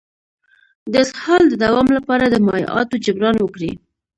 د اسهال د دوام لپاره د مایعاتو جبران وکړئ